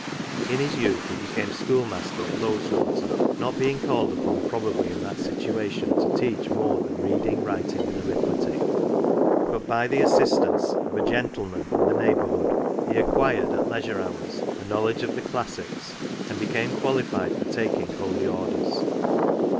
In his youth he became schoolmaster at Lowes water ; not being called upon, probably, in that situation, to teach more than reading, writing, and arithmetic. But, by the assist * Page 326. NOTES. 49 ance of a " Gentleman" in the neighbourhood, he acquired, at leisure hours, a knowledge of the classics, and became qualified for taking holy orders.